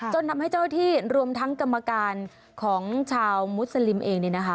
จนนำให้เจ้าหน้าที่รวมทั้งกรรมการของชาวมุสลิมเอง